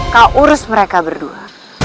kau urus mereka berdua